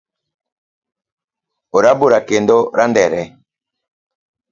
Orabora kendo randere